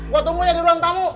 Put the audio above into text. gua tunggu ya di ruang tamu